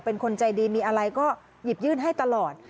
เป็นคนใจดีมีอะไรก็หยิบยื่นให้ตลอด